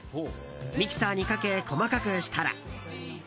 ミキサーにかけ細かくしたら。